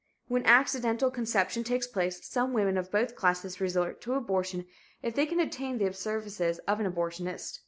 When accidental conception takes place, some women of both classes resort to abortion if they can obtain the services of an abortionist.